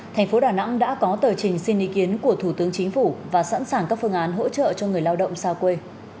thành phố đà nẵng đã có tờ trình xin ý kiến của thủ tướng chính phủ và sẵn sàng các phương án hỗ trợ cho người lao động xa quê